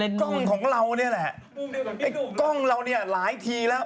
กล้องของเรามีแหละกล้องเรามีหลายทีแล้ว